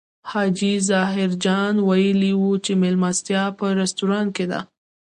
حاجي ظاهر جان ویلي و چې مېلمستیا په رستورانت کې ده.